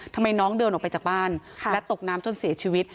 ทำไมน้องเดินออกไปจากบ้านและตกน้ำจนเสียชีวิต